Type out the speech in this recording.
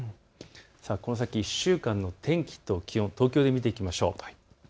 この先１週間の天気と気温、東京で見ていきましょう。